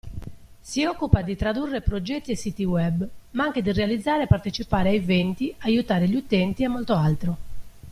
Si occupa di tradurre progetti e siti web, ma anche di realizzare e partecipare a eventi, aiutare gli utenti, e molto altro.